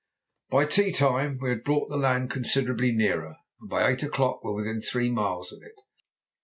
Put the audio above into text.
By tea time we had brought the land considerably nearer, and by eight o'clock were within three miles of it.